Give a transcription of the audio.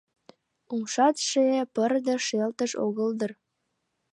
Умшатше пырдыж шелтыш огыл дыр?